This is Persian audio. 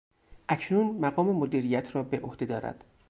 اکنون مقام مدیریت را به عهده دارد.